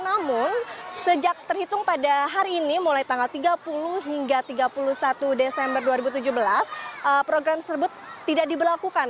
namun sejak terhitung pada hari ini mulai tanggal tiga puluh hingga tiga puluh satu desember dua ribu tujuh belas program tersebut tidak diberlakukan